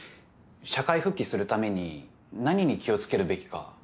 社会復帰するために何に気を付けるべきか